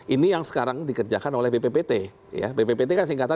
ini yang sekarang dikerjakan oleh bppt ya